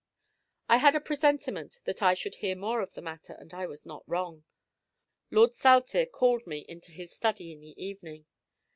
I had a presentiment that I should hear more of the matter; and I was not wrong. Lord Saltire called me into his study in the evening.